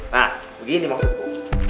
nah begini maksudku